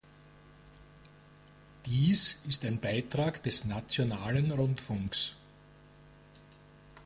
Dies ist ein Beitrag des nationalen Rundfunks.